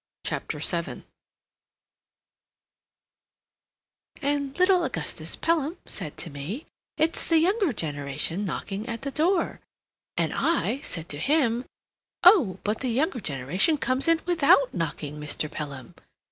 CHAPTER VII "And little Augustus Pelham said to me, 'It's the younger generation knocking at the door,' and I said to him, 'Oh, but the younger generation comes in without knocking, Mr. Pelham.